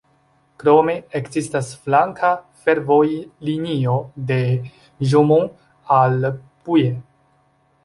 Krome ekzistas flanka fervojlinio de Romont al Bulle.